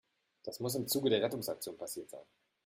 Das muss im Zuge der Rettungsaktion passiert sein.